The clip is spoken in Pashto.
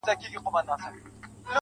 د يويشتمي پېړۍ شپه ده او څه ستا ياد دی.